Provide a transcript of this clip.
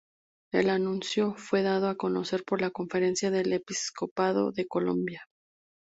El anuncio fue dado a conocer por la Conferencia del Episcopado de Colombia.